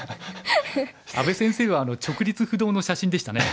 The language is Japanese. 阿部先生は直立不動の写真でしたね。